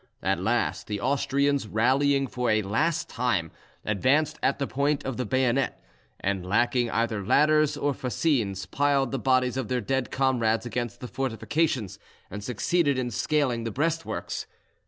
At last the Austrians, rallying for a last time, advanced at the point of the bayonet, and; lacking either ladders or fascines, piled the bodies of their dead comrades against the fortifications, and succeeded in scaling the breastworks.